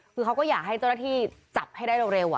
คือเขาก็อยากให้เจ้าหน้าที่จับให้ได้เร็ว